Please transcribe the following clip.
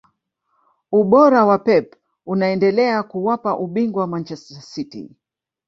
ubora wa pep unaendelea kuwapa ubingwa manchester city